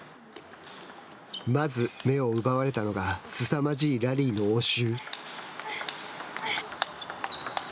まず目を奪われたのがすさまじいラリーの応酬。